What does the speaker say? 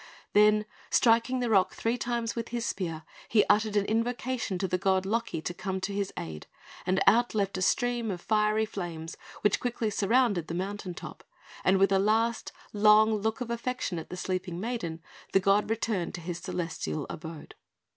Then, striking the rock three times with his spear, he uttered an invocation to the god Loki to come to his aid, and out leapt a stream of fiery flames, which quickly surrounded the mountain top; and with a last long look of affection at the sleeping maiden, the god returned to his celestial abode.